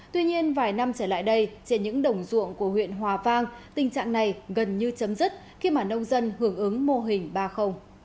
tuy nhiên vài năm trở lại đây trên những đồng ruộng của huyện hòa vang tình trạng này gần như chấm dứt khi mà nông dân hưởng ứng mô hình ba